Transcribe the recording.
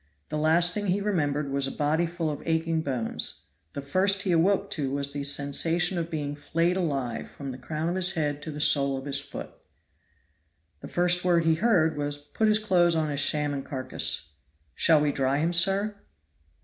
The last thing he remembered was a body full of aching bones; the first he awoke to was the sensation of being flayed alive from the crown of his head to the sole of his foot. The first word he heard was, "Put his clothes on his shamming carcass "Shall we dry him, sir?"